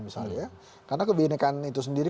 misalnya karena kebinekaan itu sendiri